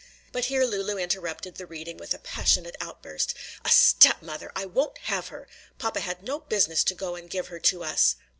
But here Lulu interrupted the reading with a passionate outburst. "A step mother! I won't have her! Papa had no business to go and give her to us!"